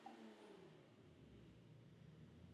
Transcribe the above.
授翰林院编修。